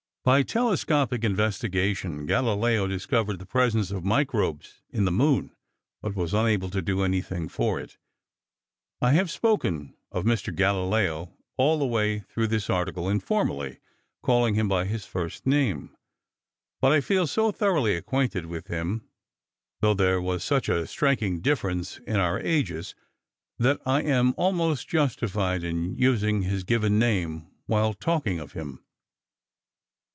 By telescopic investigation Galileo discovered the presence of microbes in the moon, but was unable to do anything for it. I have spoken of Mr. Galileo all the way through this article informally, calling him by his first name, but I feel so thoroughly acquainted with him, though there was such a striking difference in our ages, that I am almost justified in using his given name while talking of him.